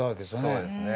そうですね。